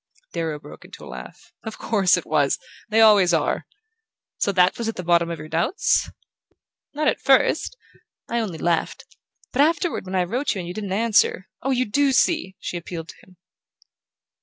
Darrow broke into a laugh. "Of course it was they always are! So that was at the bottom of your doubts?" "Not at first. I only laughed. But afterward, when I wrote you and you didn't answer Oh, you DO see?" she appealed to him.